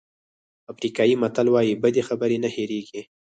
افریقایي متل وایي بدې خبرې نه هېرېږي.